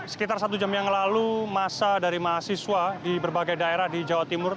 sekitar satu jam yang lalu masa dari mahasiswa di berbagai daerah di jawa timur